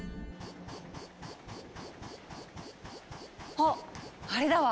あっあれだわ！